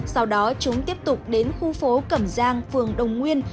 sau đó chúng tiếp tục đến khu phố cẩm giang vườn đông nguyên